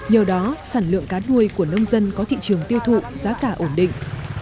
nhờ đó sản lượng cá nuôi của nông dân có thị trường tiêu thụ giá cả ổn định